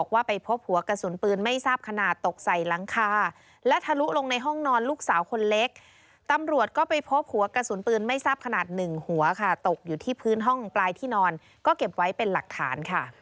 ถ้าไปพบหัวกระสุนปืนไม่ทราบขนาดหนึ่งหัวค่ะตกอยู่ที่พื้นห้องปลายที่นอนก็เก็บไว้เป็นหลักฐานค่ะ